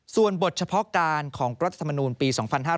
ส่วนบทเฉพาะการของรัฐธรรมนูลปี๒๕๕๙